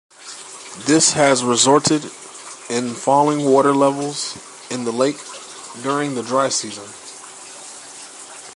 This has resulted in falling water levels in the lake during the dry season.